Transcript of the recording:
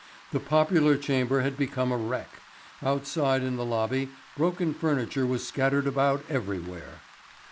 The popular chamber had become a wreck; outside in the lobby broken furniture was scattered about everywhere.